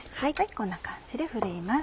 こんな感じでふるいます。